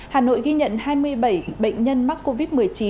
hà nội ghi nhận hai mươi bảy bệnh nhân mắc covid một mươi chín